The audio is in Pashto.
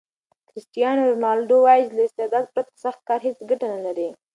کرسټیانو رونالډو وایي چې له استعداد پرته سخت کار هیڅ ګټه نلري.